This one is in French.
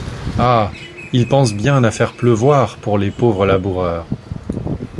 Ah! ils pensent bien à faire pleuvoir pour les pauvres laboureurs !